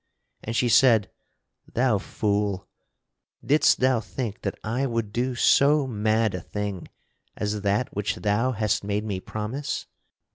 And she said: "Thou fool, didst thou think that I would do so mad a thing as that which thou hast made me promise?